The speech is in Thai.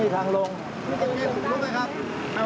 มีทางลงไหมครับ